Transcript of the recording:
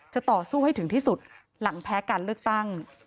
จะต่อสู้ให้ถึงที่สุดหลังแพ้การเลือกตั้ง